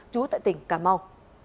trú tại tỉnh cà mau